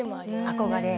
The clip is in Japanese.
憧れ？